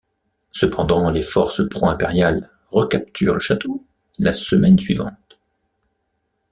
Cependant, les forces pro-impériales recapturent le château la semaine suivante.